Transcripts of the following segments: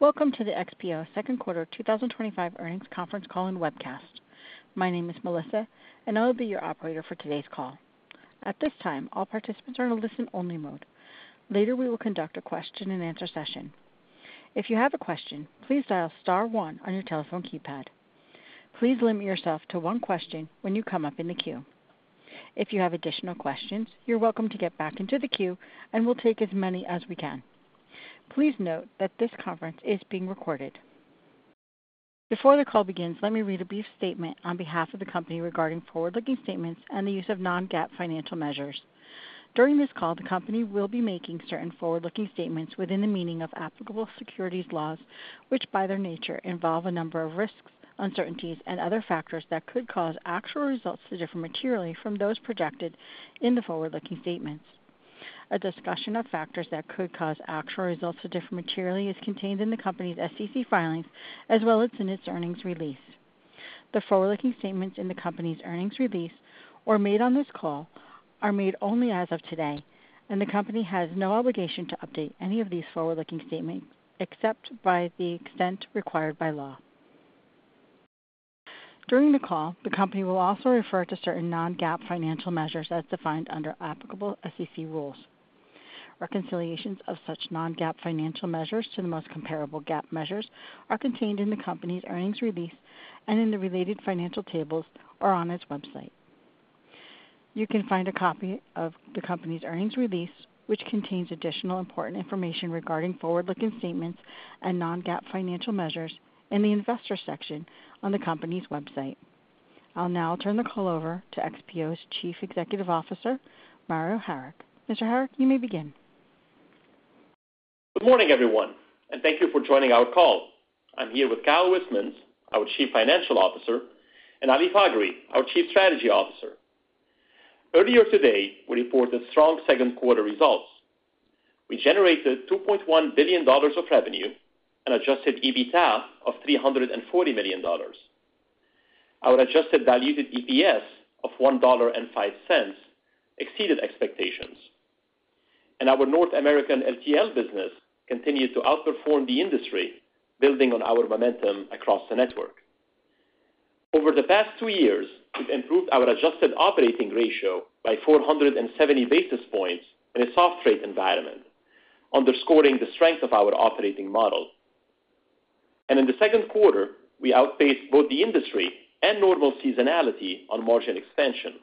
Welcome to the XPO second quarter 2025 earnings conference call and webcast. My name is Melissa and I will be your operator for today's call. At this time, all participants are in a listen only mode. Later, we will conduct a question and answer session. If you have a question, please dial star one on your telephone keypad. Please limit yourself to one question when you come up in the queue. If you have additional questions, you're welcome to get back into the queue. We'll take as many as we can. Please note that this conference is being recorded. Before the call begins, let me read a brief statement on behalf of the Company regarding forward looking statements and the use of non-GAAP financial measures. During this call, the Company will be making certain forward looking statements within the meaning of applicable securities laws, which by their nature involve a number of risks, uncertainties, and other factors that could cause actual results to differ materially from those projected in the forward looking statements. A discussion of factors that could cause actual results to differ materially is contained in the Company's SEC filings as well as in its earnings release. The forward looking statements in the Company's earnings release or made on this call are made only as of today, and the company has no obligation to update any of these forward looking statements except to the extent required by law. During the call, the Company will also refer to certain non-GAAP financial measures as defined under applicable SEC rules. Reconciliations of such non-GAAP financial measures to the most comparable GAAP measures are contained in the Company's earnings release and in the related financial tables or on its website. You can find a copy of the Company's earnings release, which contains additional important information regarding forward looking statements and non-GAAP financial measures, in the Investors section on the Company's website. I'll now turn the call over to XPO's Chief Executive Officer Mario Harik. Mr. Harik, you may begin. Good morning everyone and thank you for joining our call. I'm here with Kyle Wismans, our Chief Financial Officer, and Ali Faghri, our Chief Strategy Officer. Earlier today we reported strong second quarter results. We generated $2.1 billion of revenue and Adjusted EBITDA of $340 million. Our adjusted diluted EPS of $1.05 exceeded expectations and our North American LTL business continued to outperform the industry, building on our momentum across the network. Over the past two years we've improved our adjusted operating ratio by 470 basis points in a soft rate environment, underscoring the strength of our operating model. In the second quarter we outpaced both the industry and normal seasonality on margin expansion.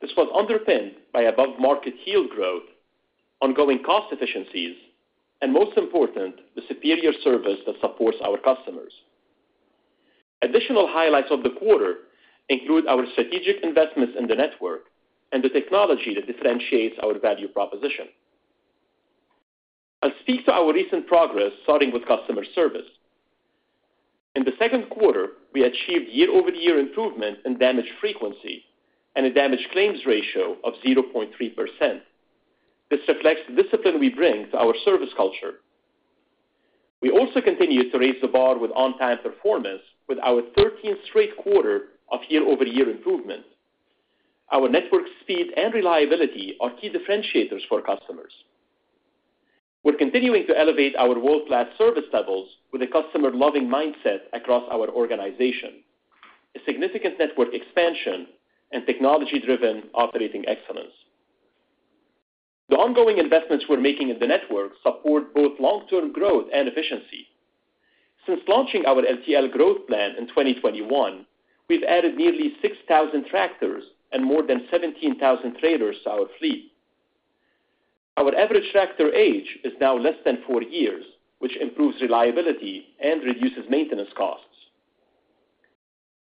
This was underpinned by above market yield growth, ongoing cost efficiencies, and most important, the superior service that supports our customers. Additional highlights of the quarter include our strategic investments in the network and the technology that differentiates our value proposition. I'll speak to our recent progress starting with customer service. In the second quarter, we achieved year-over-year improvement in damage frequency and a damage claims ratio of 0.3%. This reflects the discipline we bring to our service culture. We also continue to raise the bar with on-time performance with our 13th straight quarter of year-over-year improvement. Our network speed and reliability are key differentiators for customers. We're continuing to elevate our world-class service levels with a customer-loving mindset across our organization, a significant network expansion, and technology-driven operating excellence. The ongoing investments we're making in the network support both long-term growth and efficiency. Since launching our LTL growth plan in 2021, we've added nearly 6,000 tractors and more than 17,000 trailers to our fleet. Our average tractor age is now less than four years, which improves reliability and reduces maintenance costs.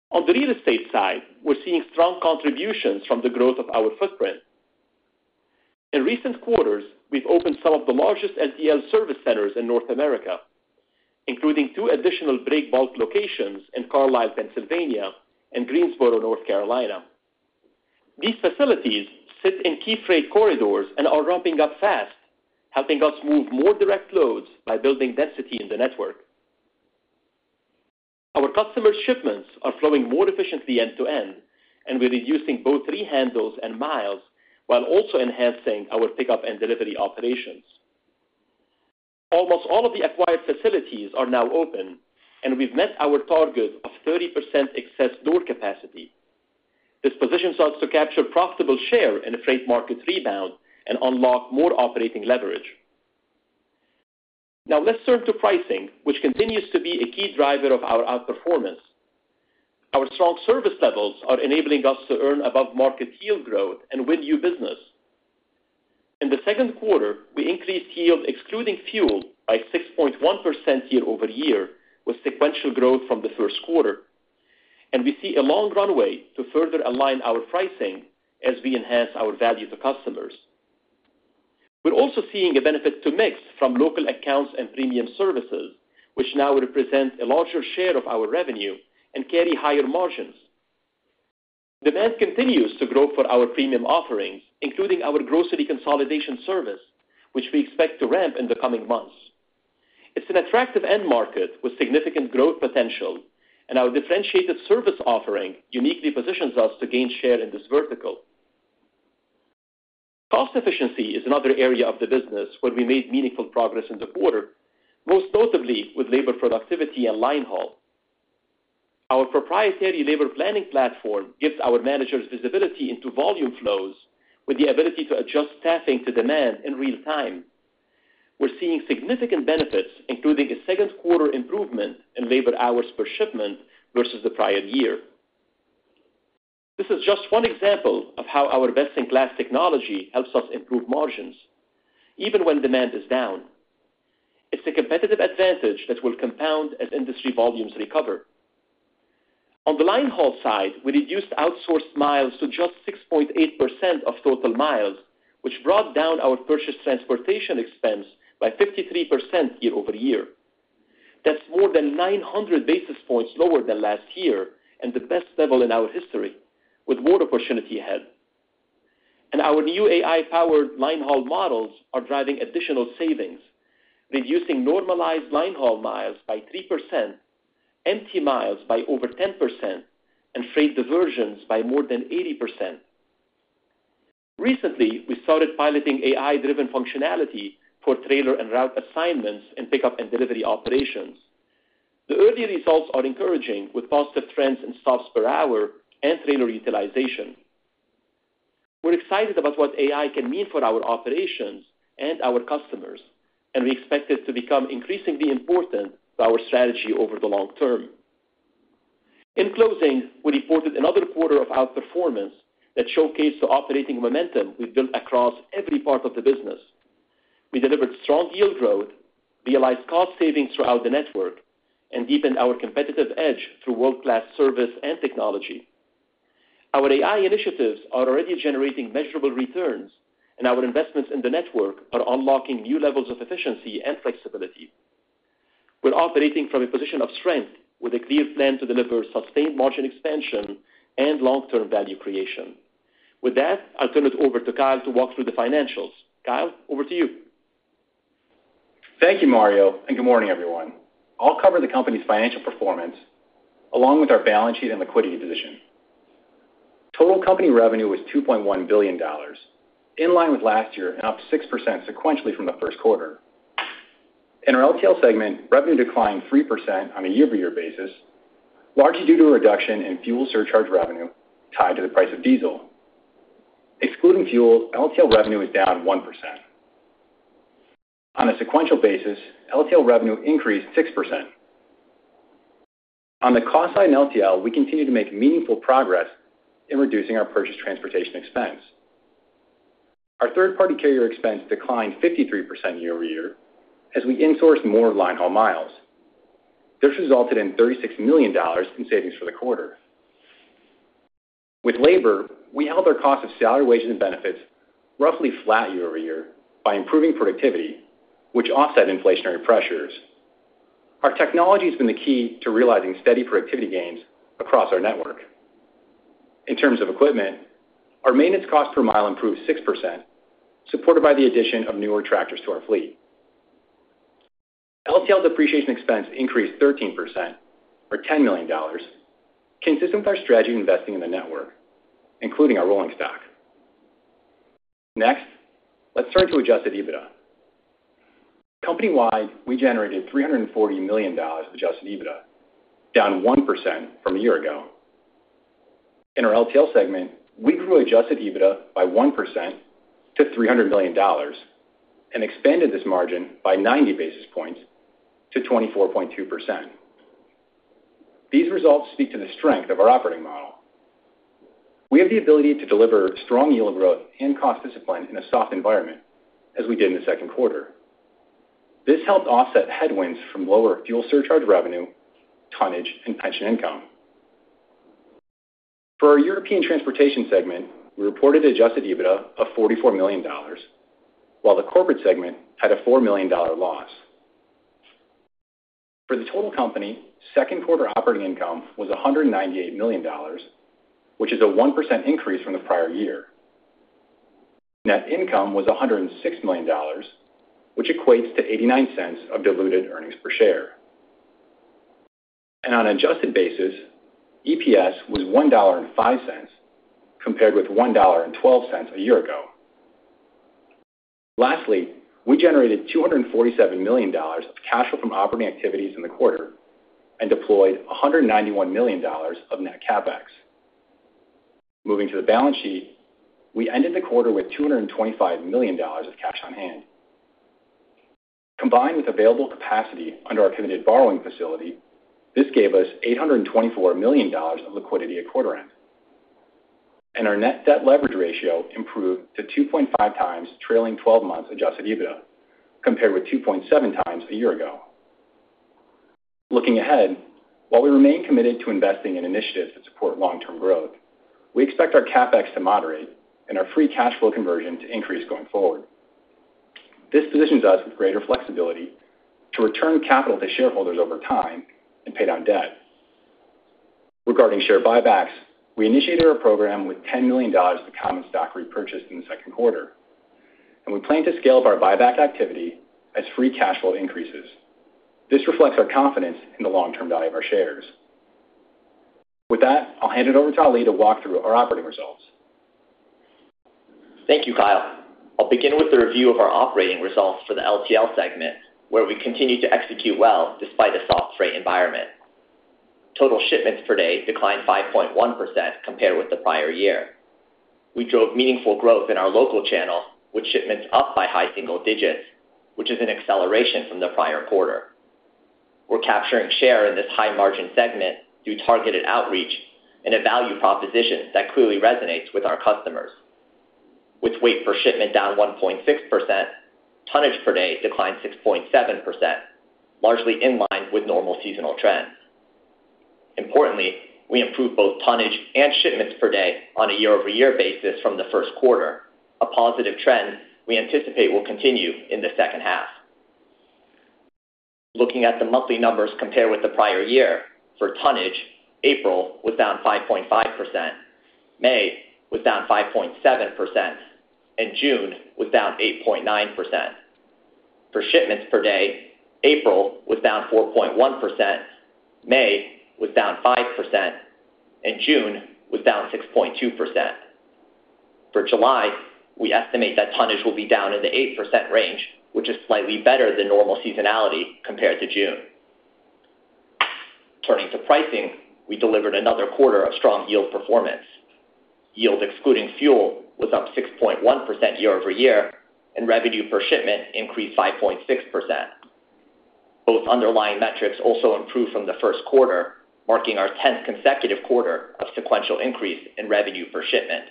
On the real estate side, we're seeing strong contributions from the growth of our footprint. In recent quarters, we've opened some of the largest LTL service centers in North America, including two additional Breakbulk Location in Carlisle, Pennsylvania and Greensboro, North Carolina. These facilities sit in key freight corridors and are ramping up fast, helping us move more direct loads by building density in the network. Our customers' shipments are flowing more efficiently end to end, and we're reducing both rehandles and miles while also enhancing our pickup and delivery operations. Almost all of the acquired facilities are now open, and we've met our target of 30% excess door capacity. This positions us to capture profitable share in the freight market rebound and unlock more operating leverage. Now let's turn to pricing, which continues to be a key driver of our outperformance. Our strong service levels are enabling us to earn above-market yield growth and win new business. In the second quarter, we increased yield excluding fuel by 6.1% year-over-year, with sequential growth from the first quarter, and we see a long runway to further align our pricing as we enhance our value to customers. We're also seeing a benefit to mix from local accounts and premium services, which now represent a larger share of our revenue and carry higher margins. Demand continues to grow for our premium offerings, including our Grocery Consolidation Offering, which we expect to ramp in the coming months. It's an attractive end market with significant growth potential, and our differentiated service offering uniquely positions us to gain share in this vertical. Cost efficiency is another area of the business where we made meaningful progress in the quarter, most notably with labor productivity and linehaul. Our proprietary labor planning platform gives our managers visibility into volume flows. With the ability to adjust staffing to demand in real time, we're seeing significant benefits, including a second quarter improvement in labor hours per shipment versus the prior year. This is just one example of how our best-in-class technology helps us improve margins even when demand is down. It's a competitive advantage that will compound as industry volumes recover. On the linehaul side, we reduced outsourced miles to just 6.8% of total miles, which brought down our purchased transportation expense by 53% year-over-year. That's more than 900 basis points lower than last year and the best level in our history. With more opportunity ahead, our new AI-powered linehaul models are driving additional savings, reducing normalized linehaul miles by 3%, empty miles by over 10%, and freight diversions by more than 80%. Recently, we started piloting AI-driven functionality for trailer and route assignments and pickup and delivery operations. The early results are encouraging, with positive trends in stops per hour and trailer utilization. We're excited about what AI can mean for our operations and our customers, and we expect it to become increasingly important to our strategy over the long term. In closing, we reported another quarter of outperformance that showcased the operating momentum we've built across every part of the business. We delivered strong yield growth, realized cost savings throughout the network, and deepened our competitive edge through world-class service and technology. Our AI initiatives are already generating measurable returns, and our investments in the network are unlocking new levels of efficiency and flexibility. We're operating from a position of strength, with a clear plan to deliver sustained margin expansion and long-term value creation. With that, I'll turn it over to Kyle to walk through the financials. Kyle, over to you. Thank you, Mario, and good morning, everyone. I'll cover the company's financial performance along with our balance sheet and liquidity position. Total company revenue was $2.1 billion, in line with last year and up 6% sequentially from the first quarter. In our less-than-truckload (LTL) segment, revenue declined 3% on a year-over-year basis, largely due to a reduction in fuel surcharge revenue tied to the price of diesel. Excluding fuel, LTL revenue is down 1%. On a sequential basis, LTL revenue increased 6%. On the cost side in LTL, we continue to make meaningful progress in reducing our purchased transportation expense. Our third-party carrier expense declined 53% year-over-year as we insource more linehaul miles. This resulted in $36 million in savings for the quarter. With labor, we held our cost of salary, wages, and benefits roughly flat year-over-year by improving productivity, which offset inflationary pressures. Our technology has been the key to realizing steady productivity gains across our network. In terms of equipment, our maintenance cost per mile improved 6%, supported by the addition of newer tractors to our fleet. LTL depreciation expense increased 13%, or $10 million, consistent with our strategy of investing in the network, including our rolling stock. Next, let's turn to Adjusted EBITDA. Company-wide, we generated $340 million Adjusted EBITDA, down 1% from a year ago. In our LTL segment, we grew Adjusted EBITDA by 1% to $300 million and expanded this margin by 90 basis points to 24.2%. These results speak to the strength of our operating model. We have the ability to deliver strong yield growth and cost discipline in a soft environment as we did in the second quarter. This helped offset headwinds from lower fuel surcharge revenue, tonnage, and pension income. For our European transportation segment, we reported Adjusted EBITDA of $44 million, while the corporate segment had a $4 million loss. For the total company, second quarter operating income was $198 million, which is a 1% increase from the prior year. Net income was $106 million, which equates to $0.89 of diluted earnings per share, and on an adjusted basis, EPS was $1.05 compared with $1.12 a year ago. Lastly, we generated $247 million of cash from operating activities in the quarter and deployed $191 million of net capital expenditures. Moving to the balance sheet, we ended the quarter with $225 million of cash on hand. Combined with available capacity under our committed borrowing facility, this gave us $824 million of liquidity at quarter end, and our net debt leverage ratio improved to 2.5 times trailing 12-month Adjusted EBITDA compared with 2.7 times a year ago. Looking ahead, while we remain committed to investing in initiatives that support long-term growth, we expect our capital expenditures to moderate and our free cash flow conversion to increase going forward. This positions us with greater flexibility to return capital to shareholders over time and pay down debt. Regarding share buybacks, we initiated our program with $10 million of common stock repurchased in the second quarter, and we plan to scale up our buyback activity as free cash flow increases. This reflects our confidence in the long-term value of our shares. With that, I'll hand it over to Ali to walk through our operating results. Thank you, Kyle. I'll begin with a review of our operating results for the less-than-truckload (LTL) segment where we continue to execute well despite a soft freight environment. Total shipments per day declined 5.1% compared with the prior year. We drove meaningful growth in our local. Channel with shipments up by high single digits, which is an acceleration from the prior quarter. We're capturing share in this high margin segment through targeted outreach and a value proposition that clearly resonates with our customers. With Weight Per Shipment down 1.6%, Tonnage Per Day declined 6.7%, largely in line with normal seasonal trends. Importantly, we improved both tonnage and shipments per day on a year-over-year basis from the first quarter, a positive trend we anticipate will continue in the second half. Looking at the monthly numbers compared with the prior year for tonnage, April was down 5.5%, May was down 5.7%, and June was down 8.9%. For shipments per day, April was down 4.1%, May was down 5%, and June was down 6.2%. For July, we estimate that tonnage will be down in the 8% range, which is slightly better than normal seasonality compared to June. Turning to pricing, we delivered another quarter of strong yield performance. Yield excluding fuel was up 6.1% year-over-year and revenue per shipment increased 5.6%. Both underlying metrics also improved from the first quarter, marking our 10th consecutive quarter of sequential increase in revenue per shipment.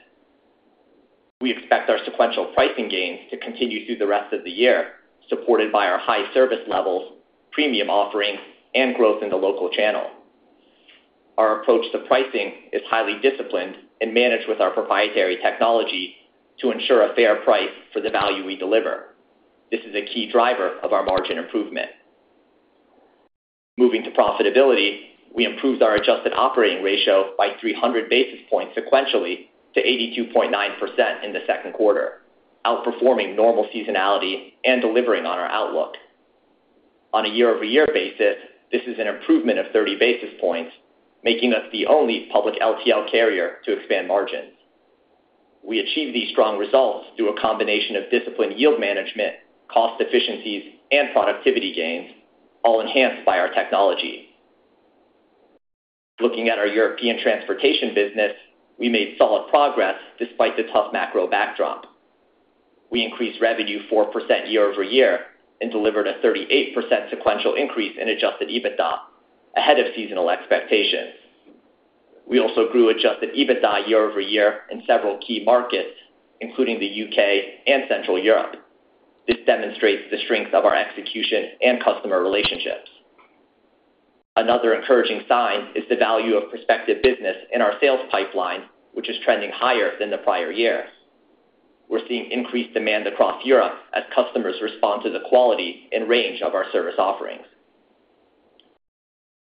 We expect our sequential pricing gains to continue through the rest of the year, supported by our high service levels, premium offerings, and growth in the local channel. Our approach to pricing is highly disciplined and managed with our proprietary technology to ensure a fair price for the value we deliver. This is a key driver of our margin improvement. Moving to profitability, we improved our adjusted operating ratio by 300 basis points sequentially to 82.9% in the second quarter, outperforming normal seasonality and delivering on our outlook on a year-over-year basis. This is an improvement of 30 basis points. Points, making us the only public LTL carrier to expand margins. We achieved these strong results through a combination of disciplined yield management, cost efficiencies, and productivity gains, all enhanced by our technology. Looking at our European transportation business, we made solid progress despite the tough macro backdrop. We increased revenue 4% year-over-year and delivered a 38% sequential increase in Adjusted EBITDA ahead of seasonal expectations. We also grew Adjusted EBITDA year-over-year in several key markets including the U.K. and Central Europe. This demonstrates the strength of our execution and customer relationships. Another encouraging sign is the value of prospective business in our sales pipeline, which is trending higher than the prior year. We're seeing increased demand across Europe as customers respond to the quality and range of our service offerings.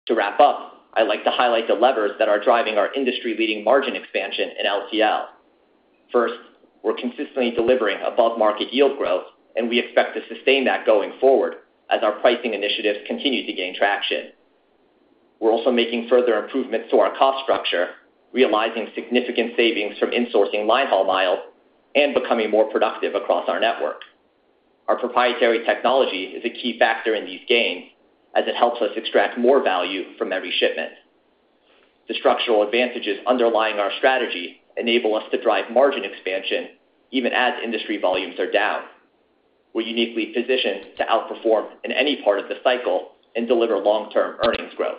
To wrap up, I'd like to highlight the levers that are driving our industry leading margin expansion in LTL. First, we're consistently delivering above market yield growth and we expect to sustain that going forward as our pricing initiatives continue to gain traction. We're also making further improvements to our. Cost structure, realizing significant savings from insourcing linehaul miles and becoming more productive across our network. Our proprietary technology is a key factor in these gains, as it helps us extract more value from every shipment. The structural advantages underlying our strategy enable us to drive margin expansion even as industry volumes are down. We're uniquely positioned to outperform in any part of the cycle and deliver long-term earnings growth.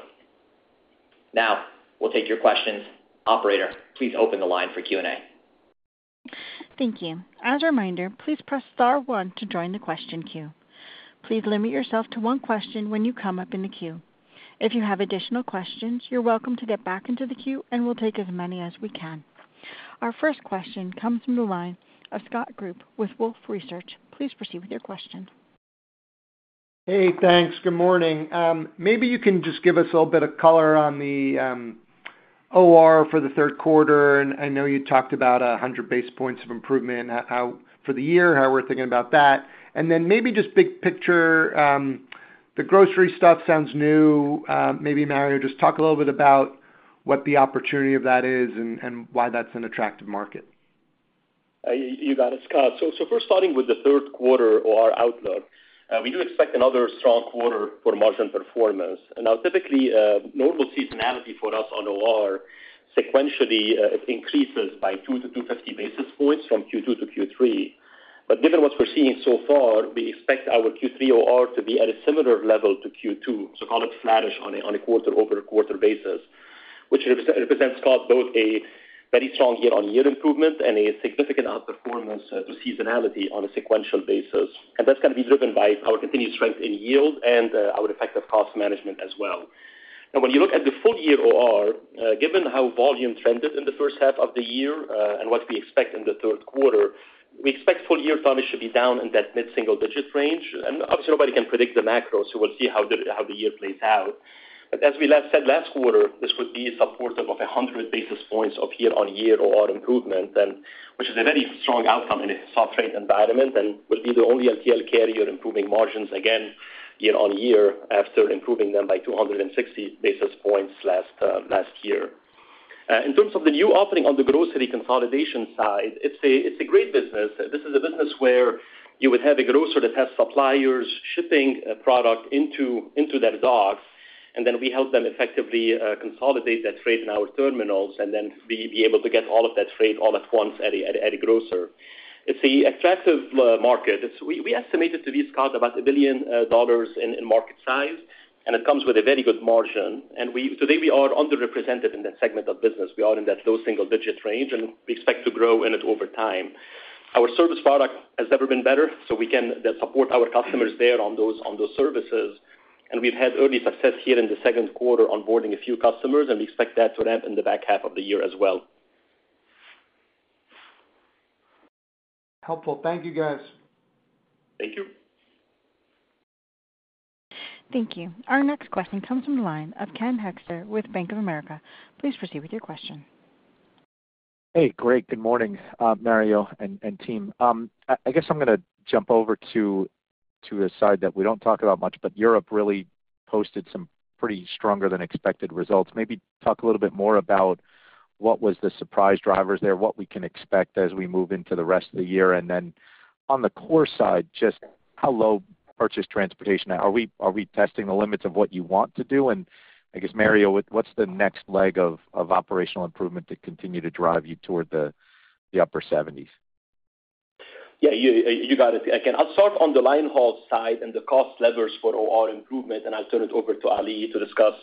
Now we'll take your questions. Operator, please open the line for Q&A. Thank you. As a reminder, please press star 1 to join the question queue. Please limit yourself to one question when you come up in the queue. If you have additional questions, you're welcome to get back into the queue and we'll take as many as we can. Our first question comes from the line of Scott Group with Wolfe Research. Please proceed with your question. Hey thanks. Good morning. Maybe you can just give us a little bit of color on the adjusted operating ratio. For the third quarter, I know you talked about 100. Basis points of improvement for the year, how we're thinking about that. Maybe just big picture, the. Grocery Consolidation Offering sounds new. Maybe Mario, just talk a little bit. About what the opportunity of that is and why that's an attractive market. You got it, Scott. First, starting with the third quarter outlook, we do expect another strong quarter for margin performance. Typically, normal seasonality for us on OR sequentially increases by 2 to 2.50 basis points from Q2 to Q3. Given what we're seeing so far, we expect our Q3 OR to be at a similar level to Q2. Call it flattish on a quarter-over-quarter basis, which represents both a very strong year-on-year improvement and a significant outperformance through seasonality on a sequential basis. That is going to be driven by our continued strength in yield and our effective cost management as well. When you look at the full year OR, given how volume trended in the first half of the year and what we expect in the third quarter, we expect full year tonnage to be down in that mid-single-digit range. Obviously, nobody can predict the macro, so we'll see how the year plays out. As we said last quarter, this would be supportive of 100 basis points of year-on-year OR improvement, which is a very strong outcome in a soft rate environment and will make us the only less-than-truckload carrier improving margins again year-on-year after improving them by 260 basis points last year. In terms of the new offering, on the grocery consolidation side, it's a great business. This is a business where you would have a grocer that has suppliers shipping product into their docks, and then we help them effectively consolidate that freight in our terminals and then be able to get all of that freight all at once at a grocer. It's an attractive market. We estimate it to be about $1 billion in market size, and it comes with a very good margin. Today, we are underrepresented in that segment of business. We are in that low single-digit range, and we expect to grow in it over time. Our service product has never been better, so we can support our customers there on those services. We've had early success here in the second quarter onboarding a few customers, and we expect that to ramp in the back half of the year as well. Helpful. Thank you, guys. Thank you. Thank you. Our next question comes from the line of Ken Hoexter with Bank of America. Please proceed with your question. Hey, great. Good morning, Mario and team. I guess I'm going to jump over to a side that we don't talk about much, but Europe really posted some pretty stronger than expected results. Maybe talk a little bit more about what was the surprise drivers there, what we can expect as we move into the rest of the year. On the core side, just how low purchase transportation are we testing the limits of what you want to do? I guess, Mario, what's the next leg of operational improvement to continue to drive you toward the upper 70s? Yeah, you got it. I'll start on the linehaul side and the cost levers for improvement and I'll turn it over to Ali to discuss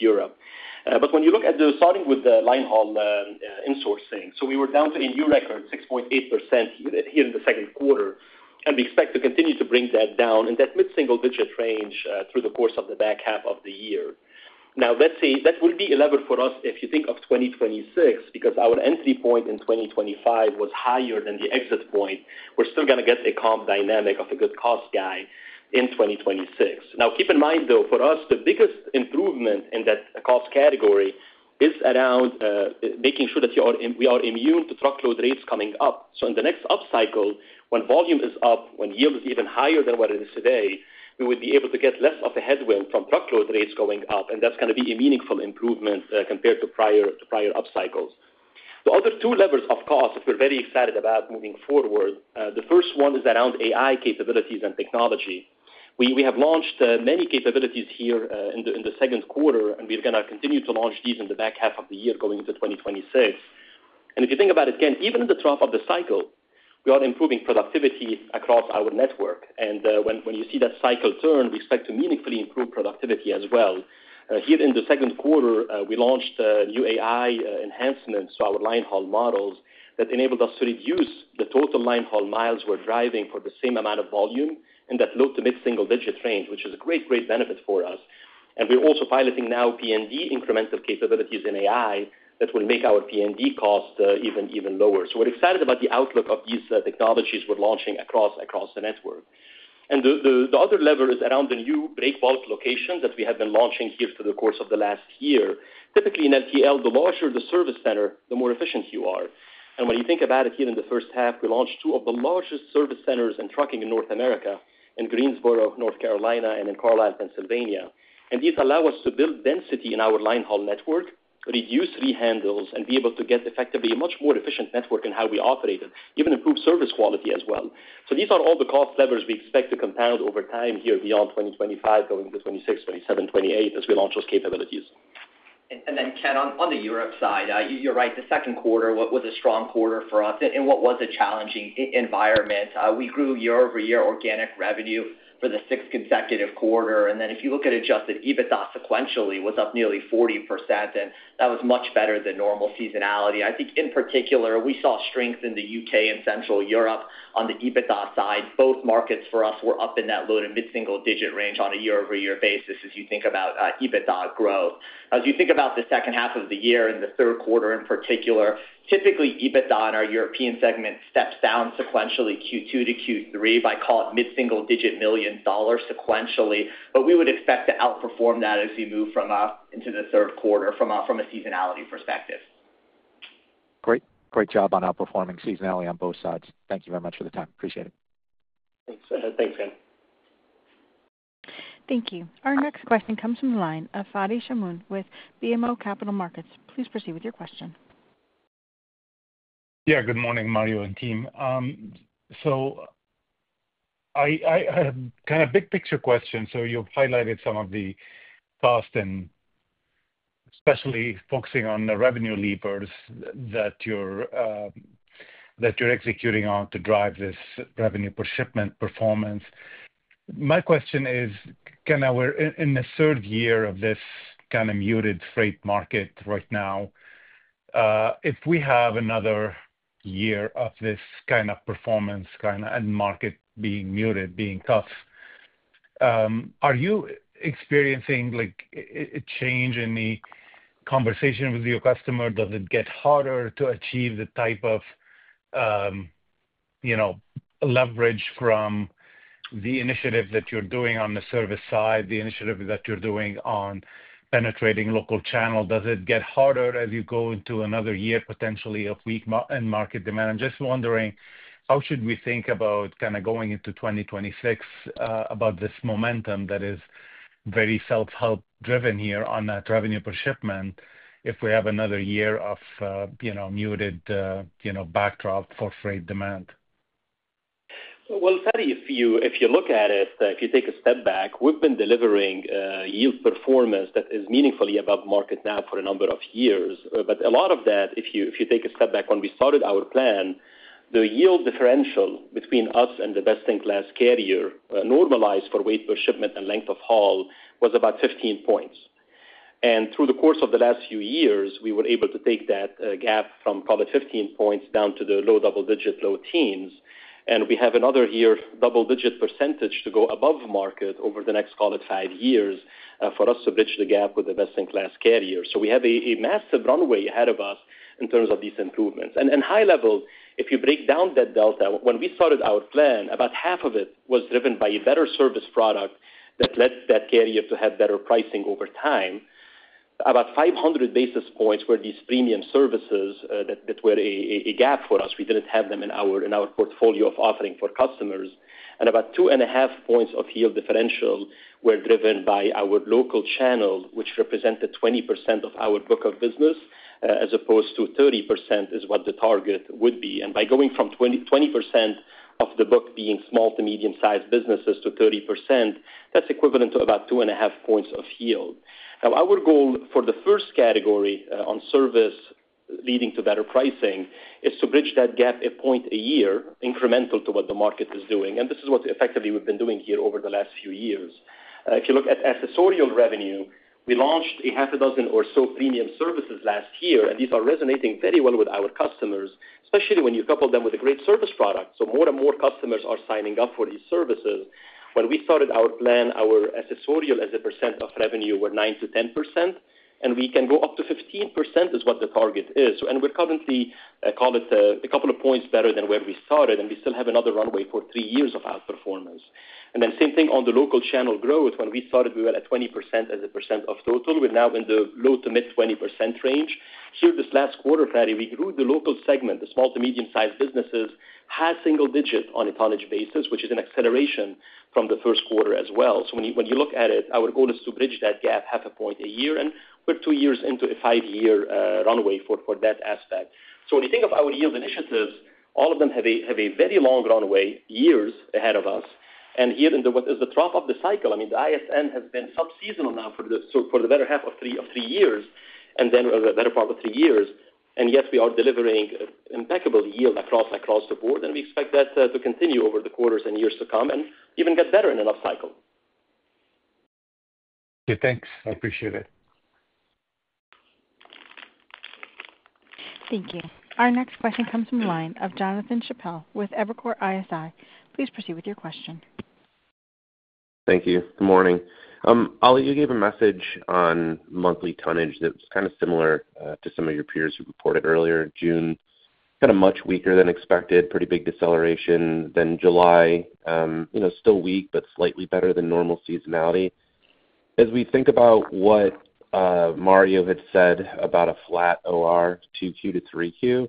Europe. When you look at the starting with the Linehaul Insourcing, we were down to a new record 6.8% here in the second quarter and we expect to continue to bring that down in that mid-single-digit range through the course of the back half of the year. That will be a level for us. If you think of 2026, because our entry point in 2025 was higher than the exit point, we're still going to get a comp dynamic of a good cost guy in 2026. Keep in mind though, for us, the biggest improvement in that cost category is around making sure that we are immune to truckload rates coming up. In the next up cycle, when volume is up, when yield is even higher than what it is today, we would be able to get less of a headwind from truckload rates going up. That's going to be a meaningful improvement compared to prior upcycles. The other two levers of cost that we're very excited about moving forward, the first one is around AI capabilities and technology. We have launched many capabilities here in the second quarter and we're going to continue to launch these in the back half of the year going into 2026. If you think about it again, even at the top of the cycle, we are improving productivity across our network. When you see that cycle turn, we expect to meaningfully improve productivity as well. Here in the second quarter, we launched new AI enhancements to our linehaul models that enabled us to reduce the total linehaul miles. We're driving for the same amount of volume in that low to mid-single-digit range, which is a great, great benefit for us. We're also piloting now PND incremental capabilities in AI that will make our PND cost even lower. We're excited about the outlook of these technologies we're launching across the network. The other lever is around the new Breakbulk Location that we have been launching here for the course of the last year. Typically in less-than-truckload, the larger the service center, the more efficient you are. When you think about it, here in the first half we launched two of the largest service centers in trucking in North America, in Greensboro, North Carolina and in Carlisle, Pennsylvania. These allow us to build density in our linehaul network, reduce rehandles and be able to get effectively a much more efficient network in how we operate it, even improve service quality as well. These are all the cost levers we expect to compound over time here beyond 2025, going to 2026, 2027, 2028 as we launch those capabilities. Ken, on the Europe side, you're right, the second quarter was a strong quarter for us in what was a challenging environment. We grew year-over-year organic revenue for the sixth consecutive quarter. If you look at Adjusted EBITDA, sequentially it was up nearly 40%, and that was much better than normal seasonality. I think in particular we saw strength in the U.K and Central Europe on the EBITDA side. Both markets for us were up in that low to mid-single-digit range on a year-over-year basis. As you think about EBITDA growth, as you think about the second half of the year and the third quarter in particular, typically EBITDA in our European segment steps down sequentially Q2 to Q3 by, call it, mid-single-digit million dollars sequentially. We would expect to outperform that. as we move into the third quarter. From a seasonality perspective. Great job on outperforming seasonally on both sides. Thank you very much for the time. Appreciate it. Thanks, Ken. Thank you. Our next question comes from the line of Fadi Chamoun with BMO Capital Markets. Please proceed with your question. Yeah, good morning, Mario and team. I have kind of big picture questions. You've highlighted some of the fast. Especially focusing on the revenue levers that you're executing on to drive this revenue per shipment performance. My question is we're in the third year of this kind of muted freight market right now. If we have another year of this kind of performance, kind of end market. Being muted, being tough, are you experiencing a change in the conversation with your customer? Does it get harder to achieve the type of leverage from the initiative that? You're doing on the service side, the initiative that you're doing on penetrating local channel? Does it get harder as you go into another year potentially of weak market demand? I'm just wondering how should we think. About going into 2026. This momentum that is very self-help driven here on that revenue per shipment. If we have another year of muted backdrop for freight demand, if you look at it, if you take a step back, we've been delivering yield performance that is meaningfully above market now for a number of years. A lot of that, if you take a step back, when we started our plan, the yield differential between us and the best-in-class carrier, normalized for weight per shipment and length of haul, was about 15 points. Through the course of the last few years, we were able to take that gap from, call it, 15 points down to the low double-digit, low teens, and we have another year double-digit percentage to go above market over the next, call it, five years for us to bridge the gap with the best-in-class carrier. We have a massive runway ahead of us in terms of these improvements. High level, if you break down that delta, when we started our plan, about half of it was driven by a better service product that led that carrier to have better pricing over time. About 500 basis points were these premium services that were a gap for us. We didn't have them in our portfolio of offering for customers. About 2.5 points of yield differential were driven by our local channel, which represented 20% of our book of business as opposed to 30% is what the target would be. By going from 20% of the book being small to medium-sized businesses to 30%, that's equivalent to about 2.5 points of yield. Our goal for the first category on service leading to better pricing is to bridge that gap a point a year incremental to what the market is doing. This is what effectively we've been doing here over the last few years. If you look at accessorial revenue, we launched a half a dozen or so premium services last year, and these are resonating very well with our customers, especially when you couple them with a great service product. More and more customers are signing up for these services. When we started our plan, our accessorial as a percent of revenue were 9% to 10%, and we can go up to 15% is what the target is. We're currently, call it, a couple of points better than where we started, and we still have another runway for three years of outperformance. Same thing on the local channel growth. When we started, we were at 20% as a percent of total. We're now in the low to mid-20% range here this last quarter. We grew the local segment. The small to medium sized businesses had single digit on a tonnage basis, which is an acceleration from the first quarter as well. When you look at it, our goal is to bridge that gap half a point a year. We're two years into a five year runway for that aspect. When you think of our yield initiatives, all of them have a very long runway, years ahead of us. Here is the trough of the cycle. I mean, the ISN has been sub seasonal now for the better part of three years. Yet we are delivering impeccable yield across the board, and we expect that to continue over the quarters and years to come and even get better in an up cycle. Thanks, I appreciate it. Thank you. Our next question comes from the line of Jonathan Chappell with Evercore ISI. Please proceed with your question. Thank you. Good morning, Ali. You gave a message on monthly tonnage that's kind of similar to some of your peers who reported earlier. June was much weaker than expected, with a pretty big deceleration. Then July was still weak, but slightly better than normal seasonality. As we think about what Mario had said about a flat or 2Q to 3Q.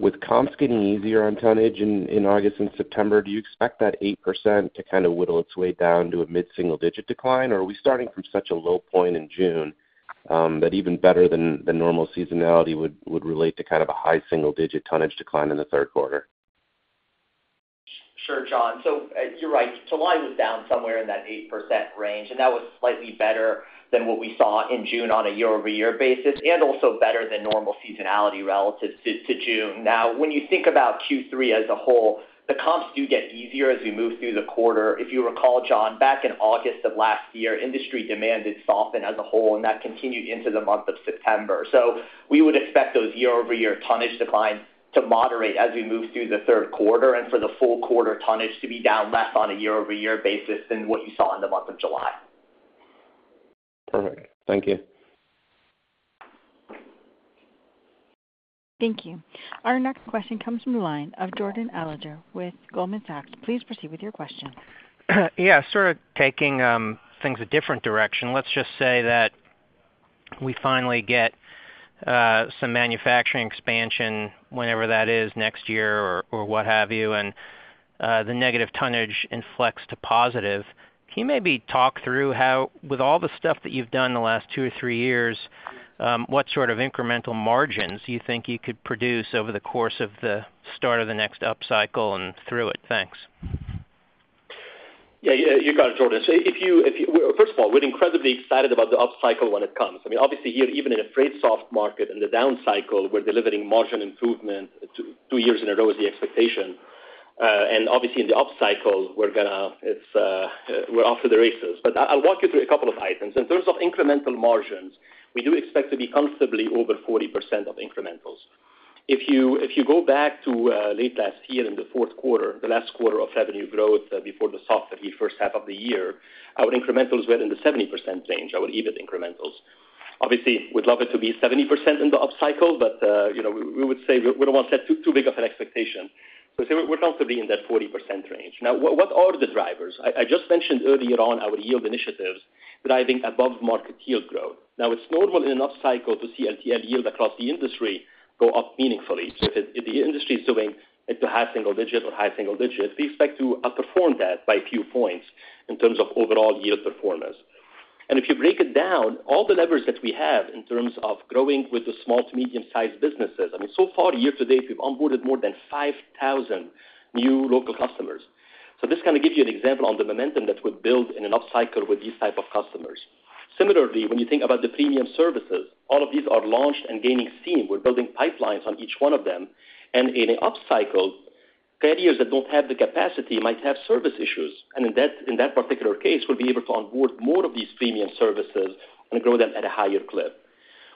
With comps getting easier on tonnage in. August and September, do you expect that? 8% to kind of whittle its way down to a mid-single-digit decline, or are we starting from such a low point in June that even better than normal seasonality would relate to kind of a high-single-digit tonnage decline in the third quarter? Sure, John. You're right. July was down somewhere in that 8% range. That was slightly better than what we saw in June on a year. Over year basis and also better than. Normal seasonality relative to June. Now, when you think about Q3 as a whole, the comps do get easier. As we move through the quarter. If you recall, John, back in August of last year, industry demand did soften as a whole, and that continued into the month of September. So. We would expect those year-over-year tonnage declines to moderate as we move through the third quarter, and for the full quarter, tonnage to be down less on a year-over-year basis than what you saw in the month of July. Perfect. Thank you. Thank you. Our next question comes from the line of Jordan Alliger with Goldman Sachs. Please proceed with your question. Yeah, taking things a different direction. Let's just say that we finally get some manufacturing expansion, whenever that is, next. Year or what have you. Negative tonnage inflects to positive. Can you maybe talk through how, with all the stuff that you've done the last two or three years, what sort of incremental margins you think you could produce over the course of the start of the next up cycle and through it. Thanks. Yeah, you got it, Jordan. First of all, we're incredibly excited about the upcycle when it comes. I mean, obviously here, even in a freight soft market in the down cycle, we're delivering margin improvement two years in a row is the expectation. Obviously in the up cycle we're going to, we're off to the races. I'll walk you through a couple of items. In terms of incremental margins, we do expect to be comfortably over 40% of incrementals. If you go back to late last year, in the fourth quarter, the last quarter of revenue growth before the soft first half of the year, our incrementals were in the 70% range, our EBIT incrementals. Obviously we'd love it to be 70% in the up cycle, but we would say we don't want to set too big of an expectation. We're comfortably in that 40% range. Now what are the drivers I just mentioned earlier on our yield initiatives driving above market yield growth. It's normal in an up cycle to see LTL yield across the industry go up meaningfully. If the industry is doing at the high single digit or high single digit, we expect to outperform that by a few points in terms of overall yield performance. If you break it down, all the levers that we have in terms of growing with the small to medium sized businesses, so far, year to date we've onboarded more than 5,000 new local customers. This kind of gives you an example on the momentum that would build in an upcycle with these type of customers. Similarly, when you think about the premium services, all of these are launched and gaining steam. We're building pipelines on each one of them and in an up cycle, carriers that don't have the capacity might have service issues. In that particular case we'll be able to onboard more of these premium services and grow them at a higher clip.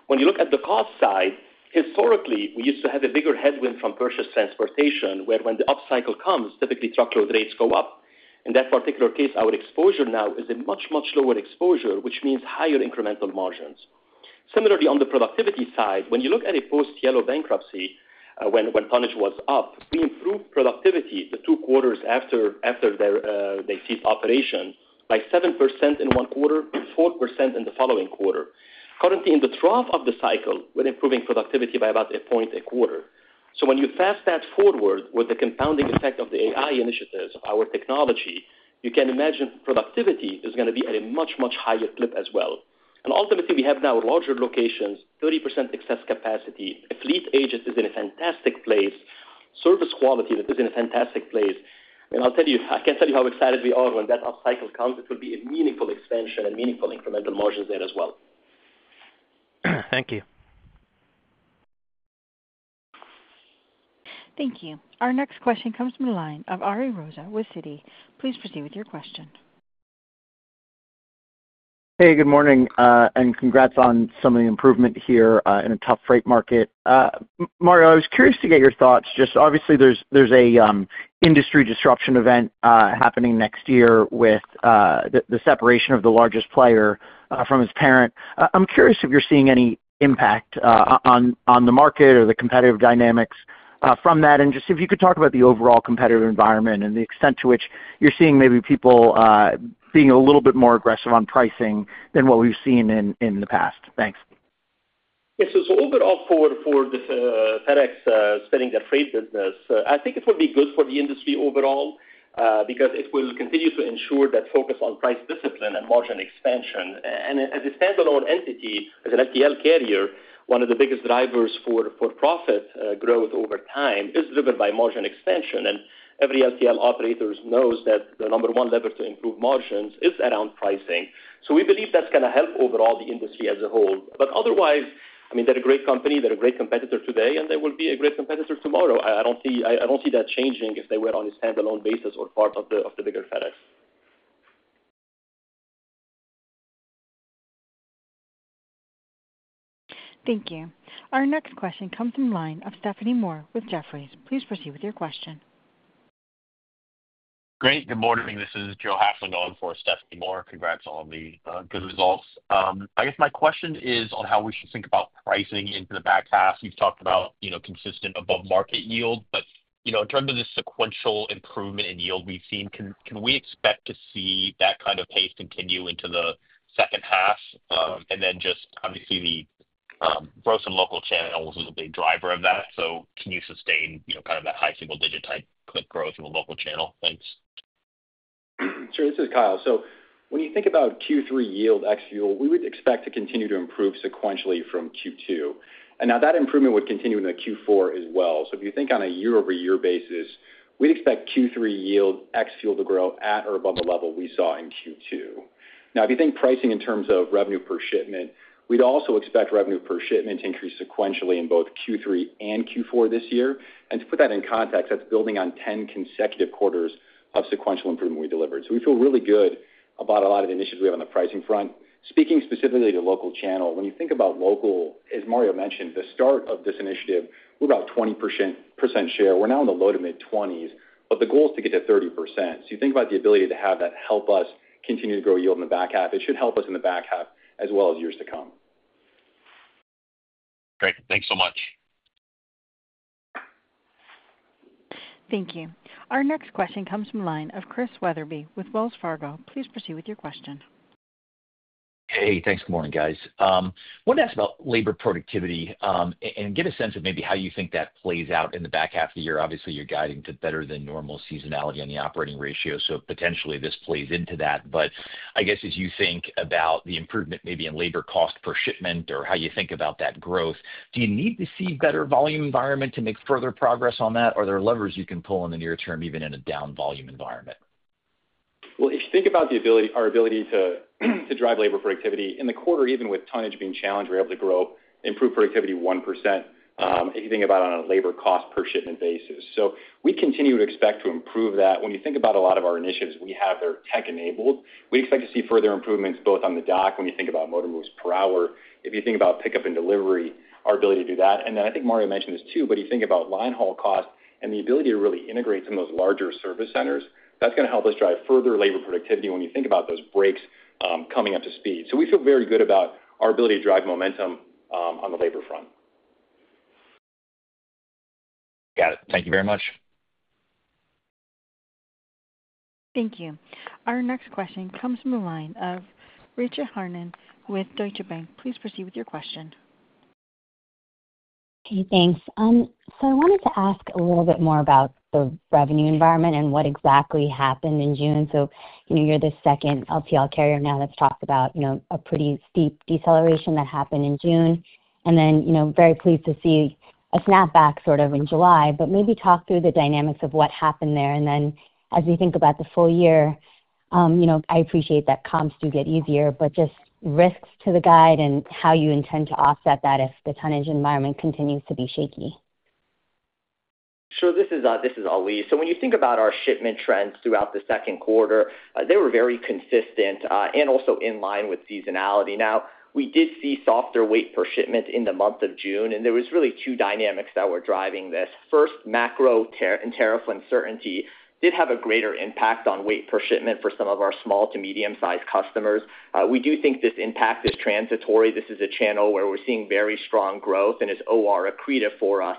When you look at the cost side, historically we used to have a bigger headwind from purchase transportation where when the upcycle comes, typically truckload rates go up. In that particular case, our exposure now is a much, much lower exposure, which means higher incremental margins. Similarly, on the productivity side, when you look at a post Yellow bankruptcy, when tonnage was up, we improved productivity the two quarters after they ceased operation by 7% in one quarter, 4% in the following quarter. Currently, in the trough of the cycle, we're improving productivity by about a point a quarter. When you fast that forward with the compounding effect of the AI initiatives, our technology, you can imagine productivity is going to be at a much, much higher clip as well as, ultimately, we have now larger locations, 30% excess capacity. Fleet agent is in a fantastic place. Service quality is in a fantastic place. I can't tell you how excited we are when that upcycle comes. It will be a meaningful expansion and meaningful incremental margins there as well. Thank you. Thank you. Our next question comes from the line of Ari Rosa with Citi. Please proceed with your question. Hey, good morning and congrats on some of the improvement here in a tough freight market. Mario, I was curious to get your thoughts. Obviously there's an industry disruption event. Happening next year with the separation of the largest player from his parent. I'm curious if you're seeing any impact on the market or the competitive dynamics from that. If you could talk about the overall competitive environment and the extent. To which you're seeing maybe people being. A little bit more aggressive on pricing than what we've seen in the past. Thanks. Overall, for FedEx spinning their freight business, I think it will be good for the industry overall because it will continue to ensure that focus on price discipline and margin expansion. As a standalone entity, as an LTL carrier, one of the biggest drivers for profit growth over time is driven by margin expansion. Every LTL operator knows that the number one lever to improve margins is around pricing. We believe that's going to help overall the industry as a whole. Otherwise, they're a great company, they're a great competitor today and they will be a great competitor tomorrow. I don't see that changing if they were on a standalone basis or part of the bigger FedEx. Thank you. Our next question comes in line of Stephanie Moore with Jefferies. Please proceed with your question. Great. Good morning, this is Joe Haslingon for Stephanie Moore. Congrats on the good results. I guess my question is on how we should think about pricing into the back half. You've talked about consistent above market yield. In terms of the sequential improvement in yield we've seen, can we expect to see that kind of pace continue into the second half? Obviously, the gross and local channels is a big driver of that. Can you sustain that high single digit type click, growth in the local channel? Thanks. Sure. This is Kyle. When you think about Q3 yield ex fuel, we would expect to continue to improve sequentially from Q2, and that improvement would continue in Q4 as well. If you think on a year-over-year basis, we'd expect Q3 yield ex fuel to grow at or above the level we saw in Q2. If you think pricing in terms of revenue per shipment, we'd also expect revenue per shipment to increase sequentially in both Q3 and Q4 this year. To put that in context, that's building on 10 consecutive quarters of sequential improvement we delivered. We feel really good about a lot of initiatives we have on the pricing front. Speaking specifically to local channel, when you think about local, as Mario mentioned, the start of this initiative, we're about 20% share. We're now in the low to mid-20%s, but the goal is to get to 30%. You think about the ability to have that help us continue to grow yield in the back half. It should help us in the back half as well as years to come. Great. Thanks so much. Thank you. Our next question comes from the line of Chris Wetherbee with Wells Fargo. Please proceed with your question. Hey, thanks. Good morning, guys. Wanted to ask about labor productivity. Get a sense of maybe how you. Think that plays out in the back. Half of the year. Obviously you're guiding to better than normal seasonality on the operating ratio. Potentially this plays into that. I guess as you think about the improvement maybe in labor cost per shipment or how you think about that growth, do you need to see better volume environment to make further progress on that? Are there levers you can pull in the near term even in a down volume environment? If you think about our ability to drive labor productivity in the quarter, even with tonnage being challenged, we're able to grow improved productivity 1% if you think about it on a labor cost per shipment basis. We continue to expect to improve that. When you think about a lot of our initiatives, we have their tech enabled. We expect to see further improvements both on the dock. When you think about motor moves hour, if you think about pickup and delivery, our ability to do that, and I think Mario mentioned this too, you think about linehaul cost and the ability to really integrate some of those larger service centers. That's going to help us drive further labor productivity when you think about those breaks coming up to speed. We feel very good about our ability to drive momentum on the labor front. Got it. Thank you very much. Thank you. Our next question comes from the line of Rachel Harnane with Deutsche Bank. Please proceed with your question. Thanks. I wanted to ask a little bit more about the revenue environment and what exactly happened in June. You're the second less-than-truckload carrier now that's talked about a pretty steep deceleration that happened in June and then very pleased to see a snapback in July. Maybe talk through the dynamics of what happened there and then as we think about the full year. I appreciate that comps do get easier, but just risks to the guide and how you intend to offset that if the tonnage environment continues to be shaky. Sure. This is Ali. When you think about our shipment trends throughout the second quarter, they were very consistent and also in line with seasonality. We did see softer weight per shipment in the month of June, and there were really two dynamics there that were driving this. First, macro and tariff uncertainty did have a greater impact on weight per shipment for some of our small to medium-sized customers. We do think this impact is transitory. This is a channel where we're seeing very strong growth and is accretive for us.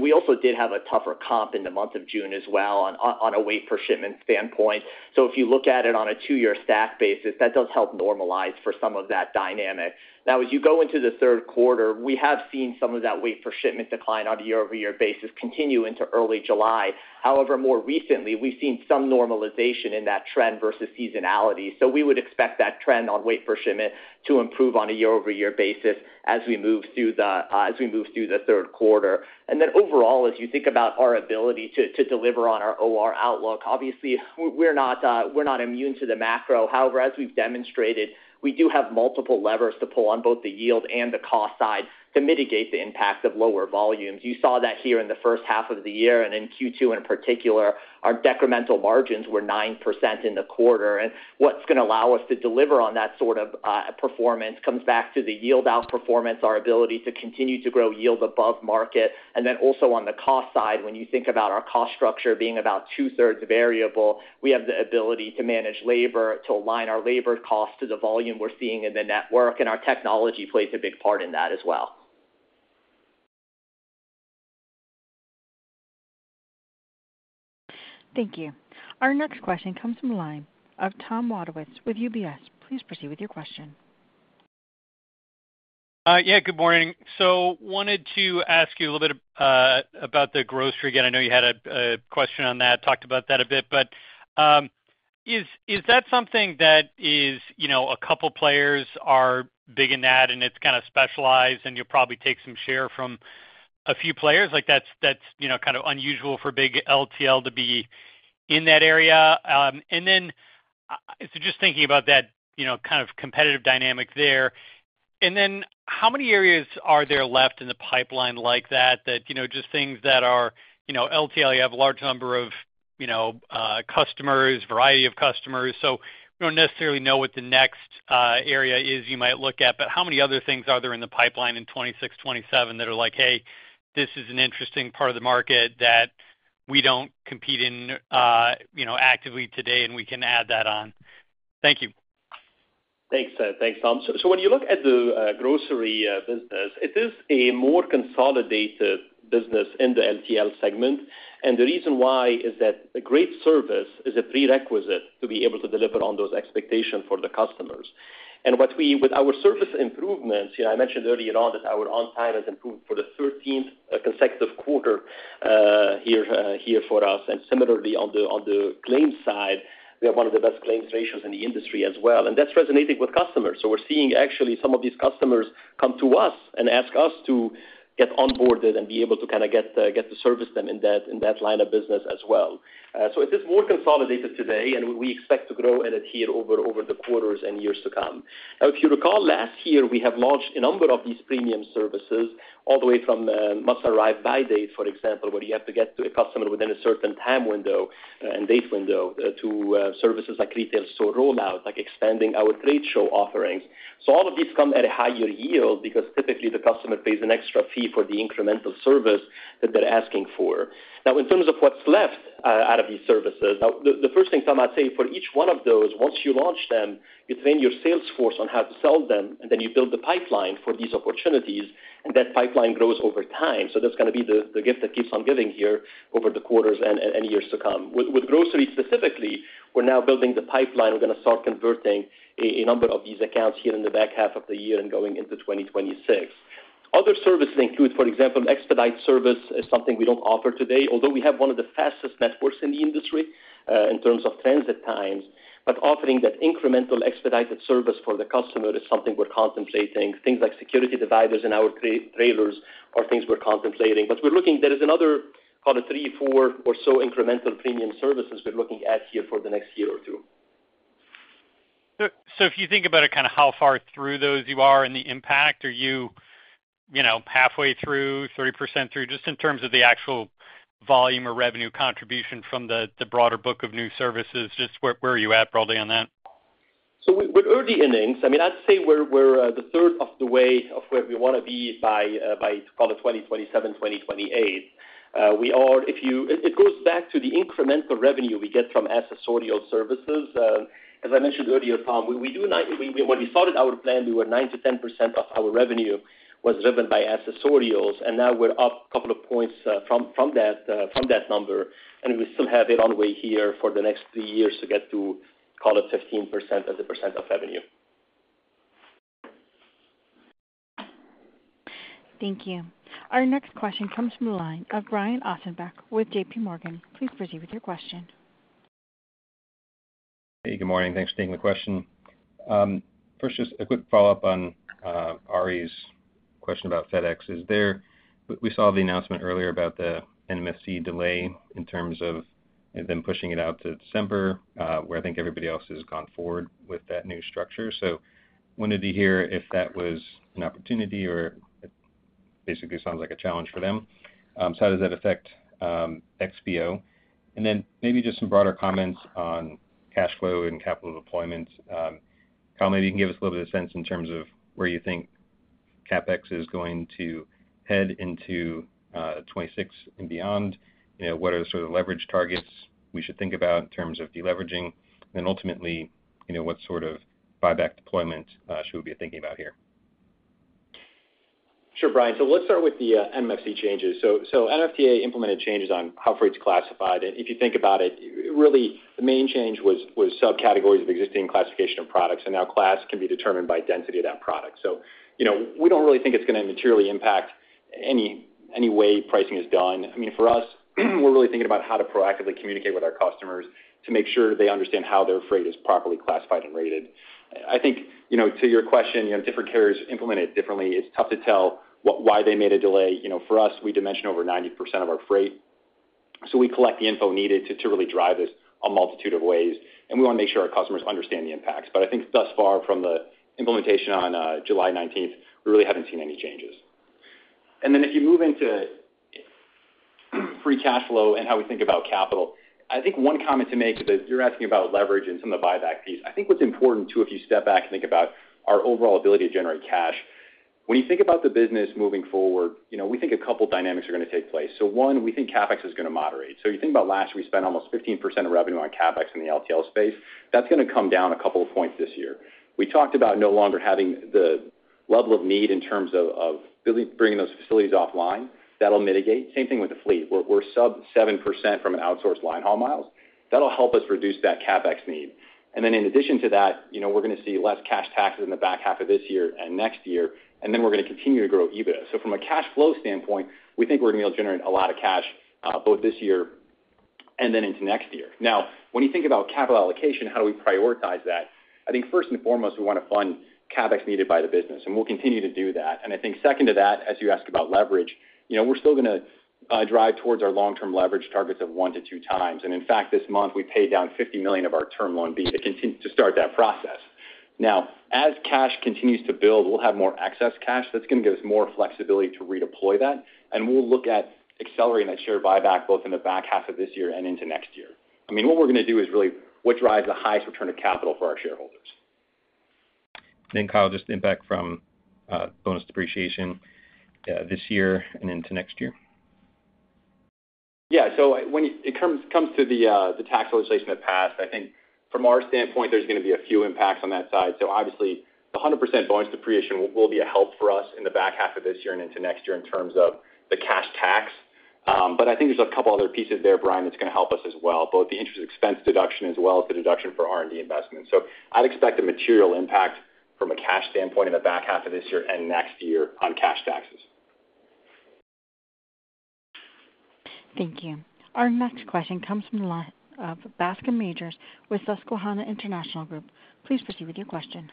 We also did have a tougher comp in the month of June as well on a weight per shipment standpoint. If you look at it on a two-year stack basis, that does help normalize for some of that dynamic. As you go into the third quarter, we have seen some of that weight per shipment decline on a year-over-year basis continue into early July. However, more recently we've seen some normalization in that trend versus seasonality. We would expect that trend on weight per shipment to improve on a year-over-year basis as we move. Through the third quarter. Overall, as you think about our ability to deliver on our OR outlook, obviously we're not immune to the macro. However, as we've demonstrated, we do have multiple levers to pull on both the yield and the cost side to mitigate the impact of lower volumes. You saw that here in the first half of the year and in Q2 in particular, our decremental margins were 9% in the quarter. What is going to allow us to deliver on that sort of performance comes back to the yield outperformance, our ability to continue to grow yield above market. Also, on the cost side, when you think about our cost structure being about two-thirds variable, we have the ability to manage labor, to align our labor costs to the volume we're seeing in the network. Our technology plays a big part in that as well. Thank you. Our next question comes from the line of Tom Wadewitz with UBS. Please proceed with your question. Good morning. Wanted to ask you a little bit about the grocery again. I know you had a question on. Talked about that a bit. Is that something that a couple players are big in and it's kind of specialized and you'll probably take some share from a few players? That's kind of unusual for big LTL. To be in that area. Just thinking about that kind of competitive dynamic there, how many areas are there left in the pipeline like that? Just things that are LTL. You have a large number of customers, variety of customers. We don't necessarily know what the next area is you might look at, but how many other things are there in the pipeline in 2026, 2027 that are like, hey, this is an interesting part of the market that we don't compete in actively today and we can add that on. Thank you. Thanks, Tom. When you look at the grocery business, it is a more consolidated business in the less-than-truckload (LTL) segment. The reason why is that a great service is a prerequisite to be able to deliver on those expectations for the customers. With our service improvements, I mentioned earlier that our on time has improved for the 13th consecutive quarter here for us. Similarly, on the claims side, we have one of the best claims ratios in the industry as well, and that's resonating with customers. We're seeing actually some of these customers come to us and ask us to get onboarded and be able to get to service them in that line of business as well. It is more consolidated today and we expect to grow and adhere over the quarters and years to come. If you recall last year, we have launched a number of these premium services all the way from must arrive by dates, for example, where you have to get to a customer within a certain time window and date window, to services like retail store rollout, like expanding our trade show offerings. All of these come at a higher yield because typically the customer pays an extra fee for the incremental service that they're asking for. In terms of what's left out of these services, the first thing, Tom, I'd say for each one of those, once you launch them, you train your sales force on how to sell them and then you build the pipeline for these opportunities. That pipeline grows over time. That's going to be the gift that keeps on giving here over the quarters and years to come. With groceries specifically, we're now building the pipeline. We're going to start converting a number of these accounts here in the back half of the year and going into 2026. Other services include, for example, expedite service is something we don't offer today, although we have one of the fastest networks in the industry in terms of transit times. Offering that incremental expedited service for the customer is something we're concentrating. Things like security dividers in our trailers are things we're contemplating. We're looking, there is another three, four or so incremental premium services we're looking at here for the next year or two. If you think about it, kind of how far through those you are and the impact, are you halfway through, 30% through, just in terms of the actual volume or revenue contribution from the broader book of new services, just where are you at broadly on that? With early innings, I'd say we're a third of the way to where we want to be. By, call it, 2027 or 2028, it goes back to the incremental revenue we get from accessorial services. As I mentioned earlier, Tom, when we started our plan, 9% to 10% of our revenue was driven by accessorials, and now we're up a couple of points from that number. We still have a way here for the next three years to get to, call it, 15% as a percent of revenue. Thank you. Our next question comes from the line of Brian Ossenbeck with JPMorgan. Please proceed with your question. Hey, good morning. Thanks for taking the question first. Just a quick follow-up on Ari's question about FedEx. We saw the announcement earlier about the NMSC delay in terms of them pushing it out to December, where I think everybody else has gone forward with that new structure. Wanted to hear if that was an opportunity or basically sounds like a challenge for them. How does that affect XPO, and then maybe just some broader comments on cash flow and capital deployment. Kyle, maybe you can give us a little bit of sense in terms of where you think CapEx is going to head into 2026 and beyond. What are the sort of leverage targets we should think about in terms of deleveraging, and ultimately what sort of buyback deployment should we be thinking about here? Sure, Brian. Let's start with the NMFC changes. NMFTA implemented changes on how freight's classified. If you think about it, really the main change was subcategories of existing classification of products, and now class can be determined by density of that product. We don't really think it's going to materially impact any way pricing is done. For us, we're really thinking about how to proactively communicate with our customers to make sure they understand how their freight is properly classified and rated. To your question, different carriers implement it differently. It's tough to tell why they made a delay for us. We dimension over 90% of our freight, so we collect the info needed to really drive this a multitude of ways, and we want to make sure our customers understand the impacts. Thus far from the implementation on July 19, we really haven't seen any changes. If you move into free cash flow and how we think about capital, one comment to make is that you're asking about leverage and some of the buyback piece. What's important too, if you step back and think about our overall ability to generate cash, when you think about the business moving forward, we think a couple dynamics are going to take place. One, we think CapEx is going to moderate. Last year we spent almost 15% of revenue on CapEx in the less-than-truckload (LTL) space. That's going to come down a couple of points this year. We talked about no longer having the level of need in terms of bringing those facilities offline. That will mitigate. Same thing with the fleet. We're sub 7% from an outsourced linehaul miles; that will help us reduce that CapEx need. In addition to that, we're going to see less cash taxes in the back half of this year and next year, and we're going to continue to grow EBITDA. From a cash flow standpoint, we think we're going to be able to generate a lot of cash both this year and into next year. When you think about capital allocation, how do we prioritize that? First and foremost, we want to fund CapEx needed by the business, and we'll continue to do that. Second to that, as you asked about leverage, we're still going to drive towards our long-term leverage targets of one to two times. In fact, this month we paid down $50 million of our term loans to start that process. Now as cash continues to build, we'll have more excess cash that's going to give us more flexibility to redeploy that, and we'll look at accelerating that share buyback both in the back half of this year and into next year. I mean what we're going to do is really what drives the highest return of capital for our shareholders. Then Kyle, just impact from bonus depreciation this year and into next year. Yeah. When it comes to the tax legislation that passed, I think from our standpoint there's going to be a few impacts on that side. Obviously, the 100% bonus depreciation will be a help for us in the back half of this year and into next year in terms of the cash tax. I think there's a couple other pieces there, Brian, that's going to help us as well, both the interest expense deduction as well as the deduction for R&D investments. I'd expect a material impact from a cash standpoint in the back half of this year and next year on cash taxes. Thank you. Our next question comes from the line of Bascom Majors with Susquehanna International Group. Please proceed with your question.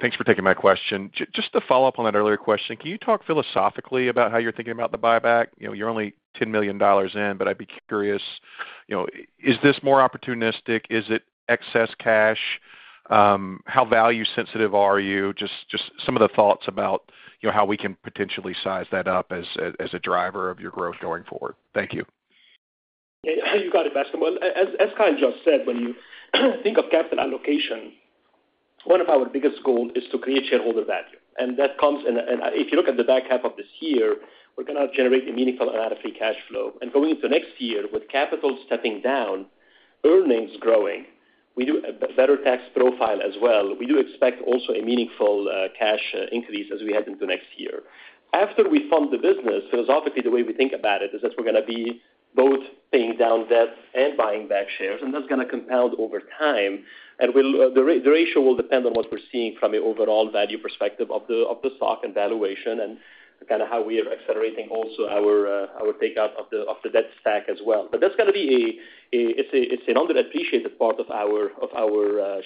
Thanks for taking my question. Just to follow up on that earlier question, can you talk philosophically about how you're thinking about the buyback? You're only $10 million in, but I'd be curious, is this more opportunistic? Is it excess cash? How value sensitive are you? Just some of the thoughts about how we can potentially size that as a driver of your growth going forward. Thank you. You got it, Bascom. As Kyle just said, when you think of capital allocation, one of our biggest goals is to create shareholder value. That comes, and if you look at the back half of this year, we're going to generate a meaningful amount of free cash flow. Going into next year, with capital stepping down, earnings growing, we do a better tax profile as well. We do expect also a meaningful cash increase as we head into next year after we fund the business. Philosophically, the way we think about it is that we're going to be both paying down debt and buying back shares, and that's going to compound over time. The ratio will depend on what we're seeing from the overall value perspective of the stock and valuation and kind of how we are accelerating. Also, our takeout of the debt stack as well. That's going to be an underappreciated part of our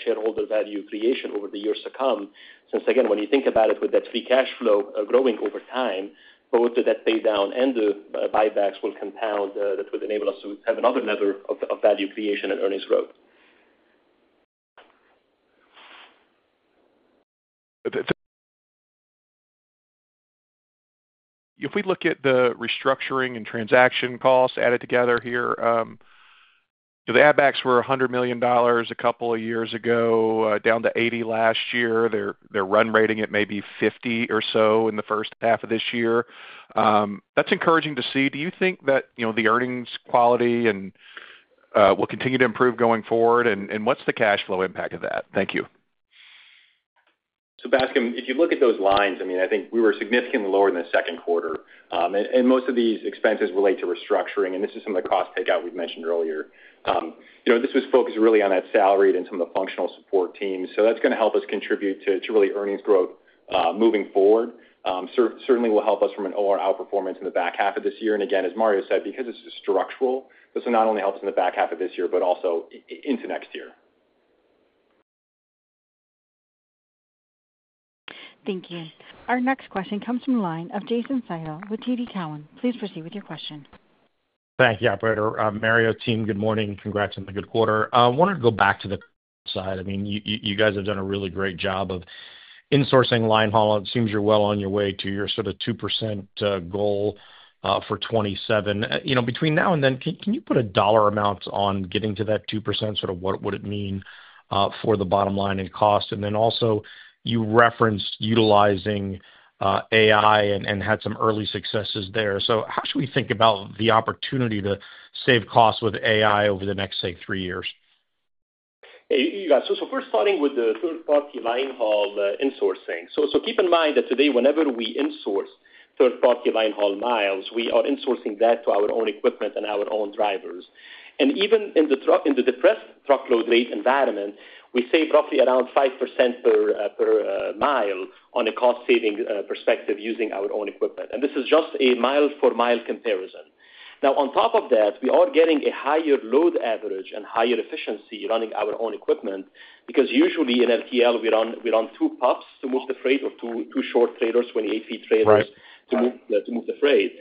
shareholder value creation over the years to come. When you think about it, with that free cash flow growing over time, both the debt paydown and the buybacks will compound. That would enable us to have another lever of value creation and earnings growth. If we look at the restructuring and transaction costs added together here, the AB backs were $100 million a couple of years ago, down to $80 million last year. They're run rating it maybe $50 million or so in the first half of this year. That's encouraging to see. Do you think that the earnings quality will continue to improve going forward and what's the cash flow impact of that? Thank you. Bascom, if you look at those lines, I think we were significantly lower than the second quarter. Most of these expenses relate to restructuring. This is some of the cost takeout we've mentioned earlier. This was focused really on that salaried and some of the functional support teams. That's going to help us contribute to earnings growth moving forward. It certainly will help us from an OR outperformance in the back half of this year. Again, as Mario said, because it's structural, this will not only help us in the back half of this year, but also into next year. Thank you. Our next question comes from the line of Jason Seidl with TD Cowen. Please proceed with your question. Thank you, operator. Mario, team, good morning. Congrats on the good quarter. I wanted to go back to the side. I mean you guys have done a really great job of insourcing linehaul. It seems you're well on your way to your sort of 2% goal for. 27 between now and then. Can you put a dollar amount on? Getting to that 2% sort of what? would it mean for the bottom line and cost? You also referenced utilizing AI. We had some early successes there. How should we think about the opportunity to save costs with AI over the next, say, three years? We're starting with the third party Linehaul Insourcing. Keep in mind that today whenever we insource third party linehaul miles, we are insourcing that to our own equipment and our own drivers. Even in the depressed truckload rate environment, we save roughly around 5% per mile on a cost saving perspective using our own equipment. This is just a mile for mile comparison. On top of that, we are getting a higher load average and higher efficiency running our own equipment because usually in less-than-truckload (LTL) we run two pups to move the freight of two short trailers when ATV trailers to move the freight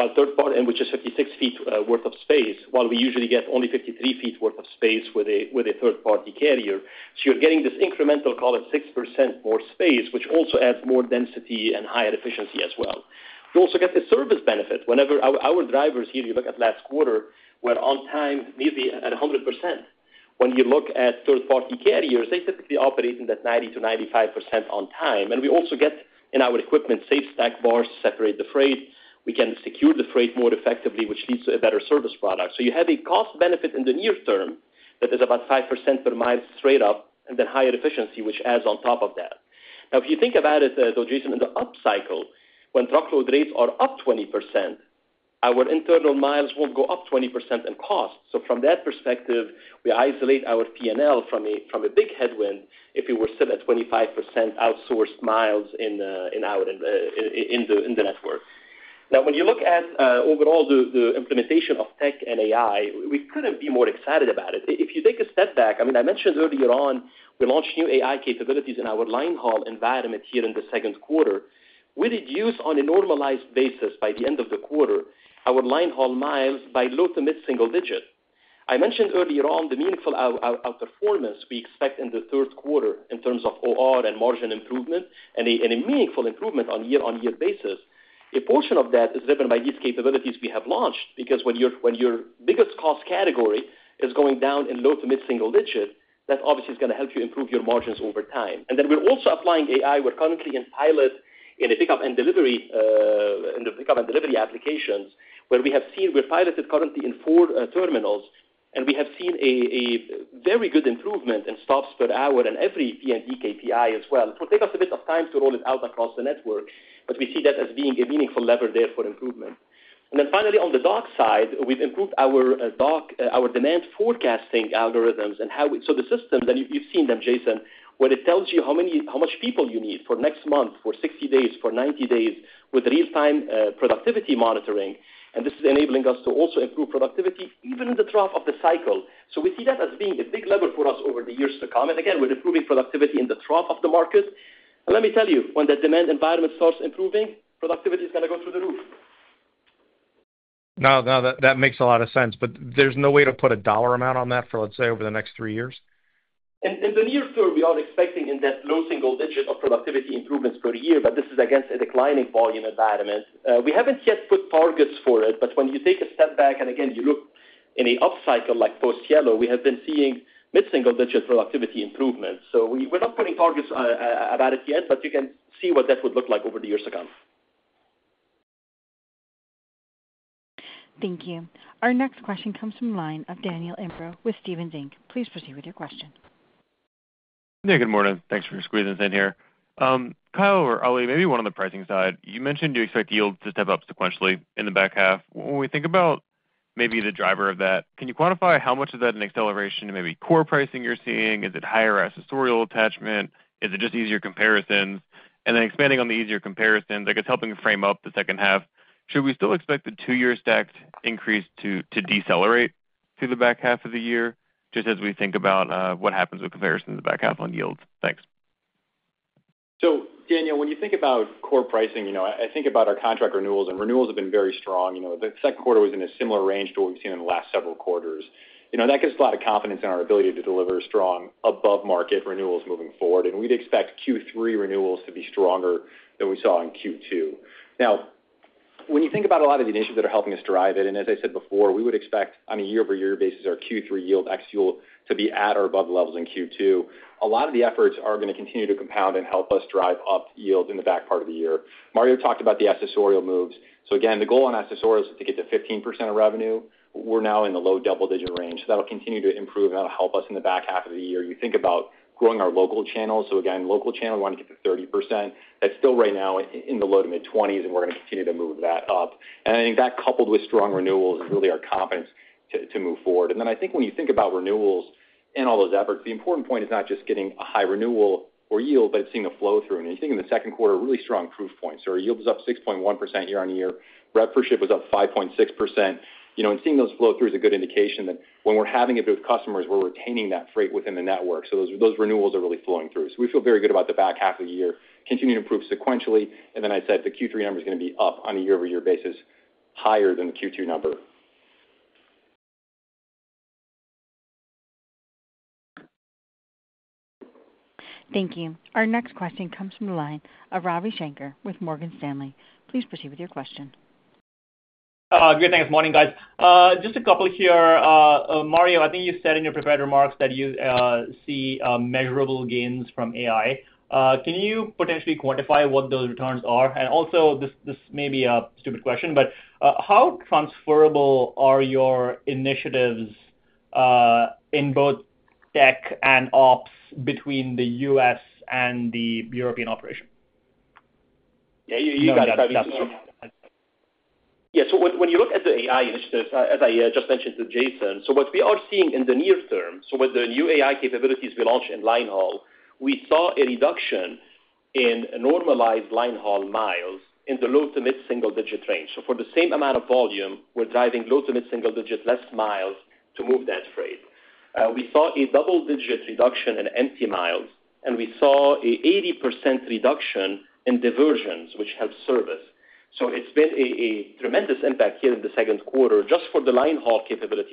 while third party, which is 56 ft worth of space, while we usually get only 53 ft worth of space with a third party carrier. You're getting this incremental call at 6% more space, which also adds more density and higher efficiency as well. You also get the service benefit whenever our drivers here, you look at last quarter, were on time nearly at 100%. When you look at third party carriers, they typically operate in that 90% to 95% on time. We also get in our equipment safe stack bars to separate the freight. We can secure the freight more effectively, which leads to a better service product. You have a cost benefit in the near term that is about 5% per mile straight up and then higher efficiency, which adds on top of that. If you think about it though, Jason, in the up cycle when truckload rates are up 20%, our internal miles won't go up 20% in cost. From that perspective, we isolate our P&L from a big headwind if we were still at 25% outsourced miles in the network. When you look at overall the implementation of tech and AI, we couldn't be more excited about it. If you take a step back, I mentioned earlier on we launched new AI capabilities in our linehaul environment here in the second quarter. We reduced on a normalized basis by the end of the quarter our linehaul miles by low to mid-single digit. I mentioned earlier on the meaningful outperformance we expect in the third quarter in terms of OR and margin improvement and a meaningful improvement on a year on year basis. A portion of that is driven by these capabilities we have launched because when your biggest cost category is going down in low to mid-single digit, that obviously is going to help you improve your margins over time. We're also applying AI. We're currently in pilot in the pickup and delivery applications where we have seen, we're piloted currently in four terminals, and we have seen a very good improvement in stops per hour in every P&D KPI as well. It will take us a bit of time to roll it out across the network, but we see that as being a meaningful lever there for improvement. Finally, on the dock side, we've improved our dock, our demand forecasting algorithms and how we, so the system, and you've seen them, Jason, where it tells you how much people you need for next month, for 60 days, for 90 days, with real-time productivity monitoring. This is enabling us to also improve productivity even in the trough of the cycle. We see that as being a big lever for us over the years to come. Again, we're improving productivity in the trough of the market. Let me tell you, when the demand environment starts improving, productivity is going to go through the roof. No, that makes a lot of sense. There's no way to put a dollar amount on that for let's say over the next three years. In the near term, we are expecting in that low single-digit of productivity improvements per year. This is against a declining volume environment. We haven't yet put targets for it. When you take a step back and again you look in an upcycle like post Yellow, we have been seeing mid-single-digit productivity improvement. We're not putting targets about it yet, but you can see what that would look like over the years to come. Thank you. Our next question comes from the line of Daniel Imbro with Stephens Inc. Please proceed with your question. Good morning. Thanks for squeezing us in here, Kyle or Ali. Maybe one on the pricing side. Mentioned you expect yields to step up. Sequentially in the back half. When we think about maybe the driver of that, can you quantify how much of that acceleration, maybe core pricing, you're seeing? Is it higher accessorial attachment? Is it just easier comparisons, and then expanding on the easier comparisons, I guess helping frame up the second half, should we still expect the two-year stacked increase to decelerate to the back half of the year? Just as we think about what happens with comparison in the back half on yields. So Daniel, when you think about core pricing, I think about our contract renewals, and renewals have been very strong. The second quarter was in a similar range to what we've seen in the last several quarters. That gives us a lot of confidence in our ability to deliver strong above-market renewals moving forward, and we'd expect Q3 renewals to be stronger than we saw in Q2. Now, when you think about a lot of the initiatives that are helping us drive it, and as I said before, we would expect on a year-over-year basis our Q3 yield ex fuel to be at or above levels in Q2. A lot of the efforts are going to continue to compound and help us drive up yields in the back part of the year. Mario talked about the accessorial moves. The goal on accessorials is to get to 15% of revenue. We're now in the low double-digit range, so that will continue to improve, and that will help us in the back half of the year. You think about growing our local channel. Local channel, we want to get to 30%. That's still right now in the low to mid-20s, and we're going to continue to move that up. I think that, coupled with strong renewals, is really our confidence to move forward. When you think about renewals and all those efforts, the important point is not just getting a high renewal or yield but seeing a flow through. In the second quarter, really strong proof points: yield was up 6.1% year on year, revenue per shipment was up 5.6%, and seeing those flow through is a good indication that when we're having it with customers, where we're taking that freight within the network. Those renewals are really flowing through. We feel very good about the back half of the year continuing to improve sequentially. The Q3 number is going to be up on a year-over-year basis, higher than the Q2 number. Thank you. Our next question comes from the line of Ravi Shanker with Morgan Stanley. Please proceed with your question. Great, thanks. Morning guys. Just a couple here. Mario, I think you said in your prepared remarks that you see measurable gains from AI. Can you potentially quantify what those returns are? Also, this may be a stupid question, but how transferable are your initiatives in both tech and ops between the U.S. and the European operation? Yes, when you look at the AI initiatives, as I just mentioned to Jason, what we are seeing in the near term with the new AI capabilities we launched in linehaul, we saw a reduction in normalized linehaul miles in the low to mid single digit range. For the same amount of volume, we're driving low to mid single digit less miles to move that freight. We saw a double digit reduction in empty miles and we saw an 80% reduction in diversions, which helped service. It's been a tremendous impact here in the second quarter just for the linehaul capability.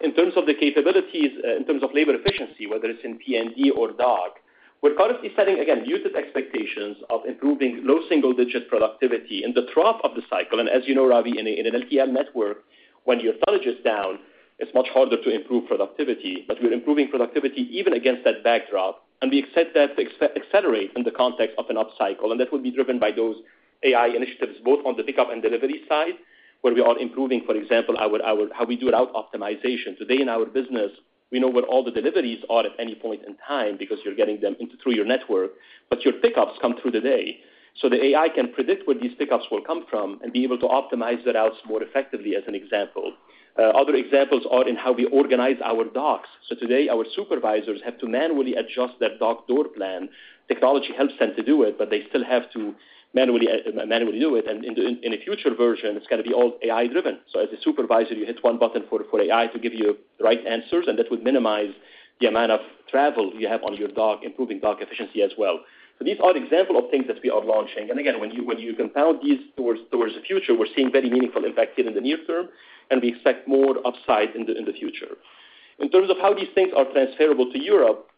In terms of the capabilities, in terms of labor efficiency, whether it's in PND or dock, we're currently setting again muted expectations of improving low single digit productivity in the trough of the cycle. As you know, Ravi, in an LTL network, when your knowledge is down, it's much harder to improve productivity. We're improving productivity even against that backdrop. We expect that to accelerate in the context of an up cycle. That will be driven by those AI initiatives both on the pickup and delivery side where we are improving. For example, how we do route optimization today in our business, we know where all the deliveries are at any point in time because you're getting them into through your network, but your pickups come through the day. The AI can predict where these pickups will come from and be able to optimize the routes more effectively. As an example, other examples are in how we organize our docks. Today our supervisors have to manually adjust their dock door. Plan technology helps them to do it, but they still have to manually do it. In a future version it's going to be all AI driven. As a supervisor, you hit one button for AI to give you right answers and that would minimize the amount of travel you have on your dock, improving dock efficiency as well. These are examples of things that we are launching. When you compound these towards the future, we're seeing very meaningful impact here in the near term and we expect more upside in the future. In terms of how these things are transferable to Europe,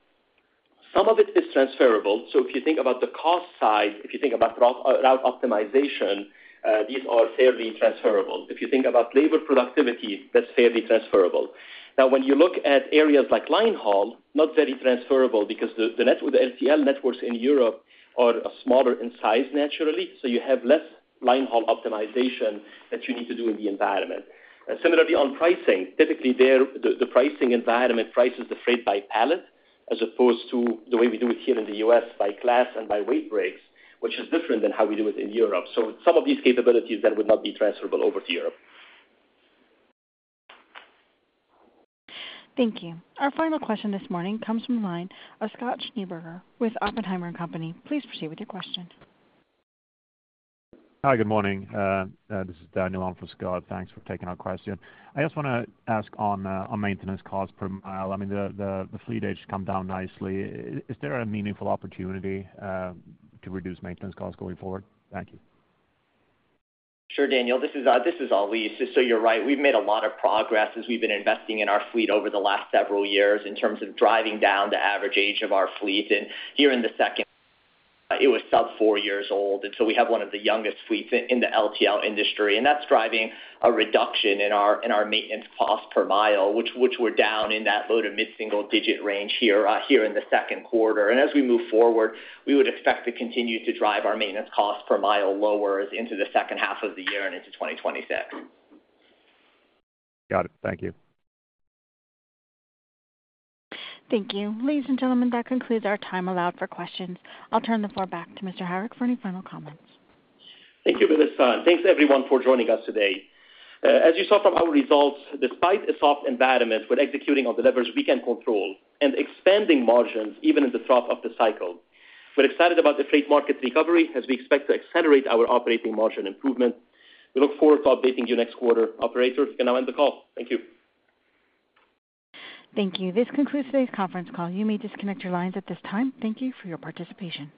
some of it is transferable. If you think about the cost side, if you think about route optimization, these are fairly transferable. If you think about labor productivity, that's fairly transferable. When you look at areas like linehaul, not very transferable because the less-than-truckload networks in Europe are smaller in size naturally, so you have less linehaul optimization that you need to do in that environment. Similarly, on pricing, typically there, the pricing environment prices the freight by pallet as opposed to the way we do it here in the U.S. by class and by weight breaks, which is different than how we do it in Europe. Some of these capabilities then would not be transferable over to Europe. Thank you. Our final question this morning comes from the line of Scott Schneeberger with Oppenheimer & Company. Please proceed with your question. Good morning, this is Daniel Moore. Thanks for taking our question. I just want to ask on maintenance cost per mile, I mean the fleet age has come down nicely. Is there a meaningful opportunity to reduce? Maintenance costs going forward? Thank you. Sure. Daniel, this is Ali Faghri. You're right. We've made a lot of progress as we've been investing in our fleet over the last several years in terms of driving down the average age of our fleet. Here in the second quarter, it was sub four years old. We have one of the youngest fleets in the less-than-truckload industry, and that's driving a reduction in our maintenance cost per mile, which is down in that low to mid-single-digit range here in the second quarter. As we move forward, we would. Expect to continue to drive our maintenance cost per mile lower into the second half of the year and into 2026. Got it. Thank you. Thank you, ladies and gentlemen. That concludes our time allowed for questions. I'll turn the floor back to Mr. Harik for any final comments. Thank you, Melissa. Thank you everyone for joining us today. As you saw from our results, despite a soft environment, we're executing on the levers we can control and expanding margins even in the trough of the cycle. We're excited about the freight market recovery as we expect to accelerate our operating margin improvement. We look forward to updating you next quarter. Operator, we can now end the call. Thank you. Thank you. This concludes today's conference call. You may disconnect your lines at this time. Thank you for your participation.